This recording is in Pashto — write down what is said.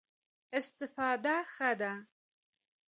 استفاده ښه ده.